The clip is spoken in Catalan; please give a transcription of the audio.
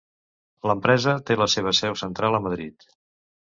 L'empresa té la seva seu central a Madrid.